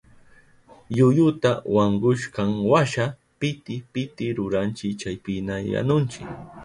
Yuyuta wankushkanwasha piti piti ruranchi chaypiña yanunchi.